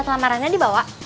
pintu kelamarannya dibawa